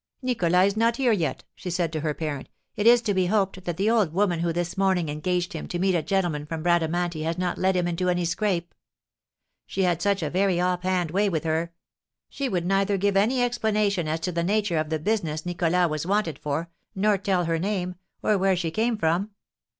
"Nicholas is not here yet," said she to her parent. "It is to be hoped that the old woman who this morning engaged him to meet a gentleman from Bradamanti has not led him into any scrape. She had such a very offhand way with her; she would neither give any explanation as to the nature of the business Nicholas was wanted for, nor tell her name, or where she came from."